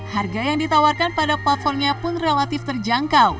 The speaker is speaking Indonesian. harga yang ditawarkan pada platformnya pun relatif terjangkau